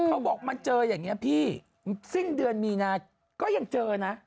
เขาบอกมันเจออย่างนี้พี่สิ้นเดือนมีนาก็ยังเจอนะ